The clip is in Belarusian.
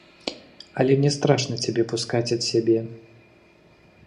Але мне страшна цябе пускаць ад сябе.